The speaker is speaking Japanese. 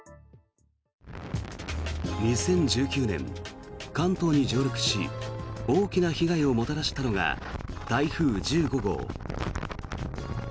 ２０１９年、関東に上陸し大きな被害をもたらしたのが台風１５号。